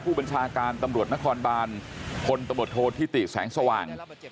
ผู้บัญชาการตำรวจนครบานพลตำรวจโทษธิติแสงสว่าง